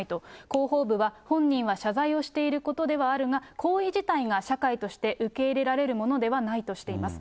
広報部は、本人は謝罪をしていることではあるが、行為自体が社会として受け入れられるものではないとしています。